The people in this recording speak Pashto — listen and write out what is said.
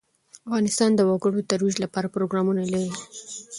افغانستان د وګړي د ترویج لپاره پروګرامونه لري.